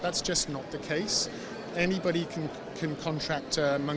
siapa saja yang bisa mencari monkeypox melalui kontak rapat